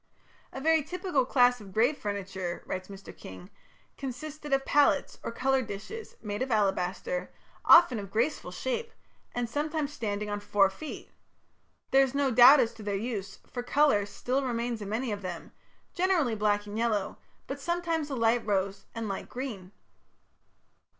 "A very typical class of grave furniture", writes Mr. King, "consisted of palettes, or colour dishes, made of alabaster, often of graceful shape, and sometimes standing on four feet.... There is no doubt as to their use, for colour still remains in many of them, generally black and yellow, but sometimes a light rose and light green."